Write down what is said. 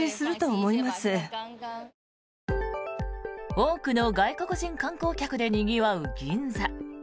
多くの外国人観光客でにぎわう銀座。